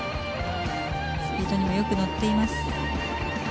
スピードにもよく乗っています。